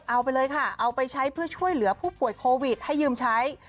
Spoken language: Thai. เอาไปเลยค่ะเอาไปใช้เพื่อช่วยเหลือผู้ป่วยโควิดให้ยืมใช้